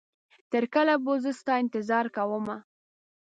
تر کله به زه ستا انتظار کومه